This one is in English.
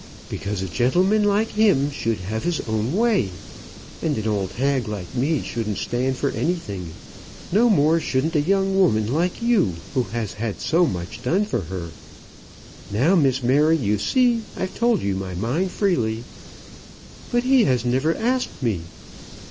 "Because a gentleman like him should have his own way. And an old hag like me shouldn't stand for anything. No more shouldn't a young woman like you who has had so much done for her. Now, Miss Mary, you see I've told you my mind freely." "But he has never asked me."